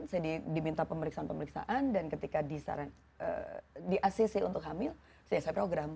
saya diminta pemeriksaan pemeriksaan dan ketika disaran di acc untuk hamil saya program